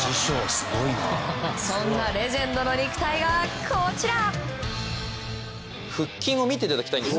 そんなレジェンドの肉体がこちら。